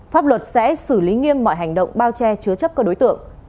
pháp luật sẽ xử lý nghiêm mọi hành động bao che chứa chấp các đối tượng